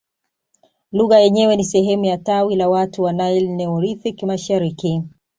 Lugha yenyewe ni sehemu ya tawi la watu wa Naili Neolithic mashariki